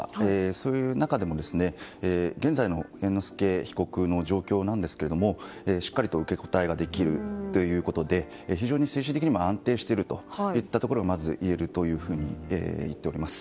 その中で現在の猿之助被告の状況なんですけどしっかり受け答えができるということで非常に精神的にも安定しているというところがまず言えるというふうに言っておきます。